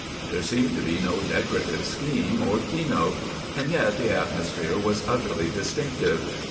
There seemed to be no decorative scheme or keynote, and yet the atmosphere was utterly distinctive.